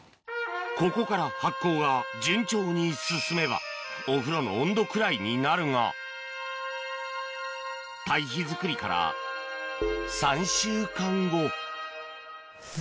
ここから発酵が順調に進めばお風呂の温度くらいになるが堆肥づくりから３週間後